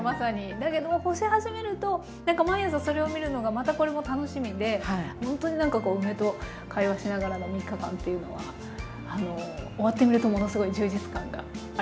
だけども干し始めると毎朝それを見るのがまたこれも楽しみでほんとに梅と会話しながらの３日間っていうのは終わってみるとものすごい充実感がありました。